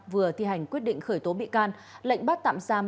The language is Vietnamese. vừa thi hành quyết định khởi tố bị can lệnh bắt tạm giam